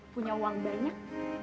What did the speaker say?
punya uang banyak